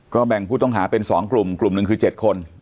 ก็แบ่งผู้ต้องหาเป็น๒กลุ่มกลุ่มหนึ่งคือ๗คน